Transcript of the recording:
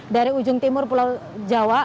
dari ujung timur pulau jawa